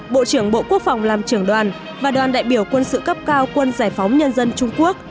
bộ trưởng bộ quốc phòng làm trưởng đoàn và đoàn đại biểu quân sự cấp cao quân giải phóng nhân dân trung quốc